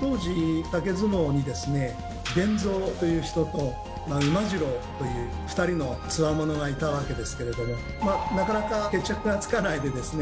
当時竹相撲にですね「伝蔵」という人と「馬次郎」という２人のつわものがいたわけですけれどもなかなか決着がつかないでですね